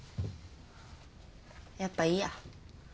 やっぱいいや。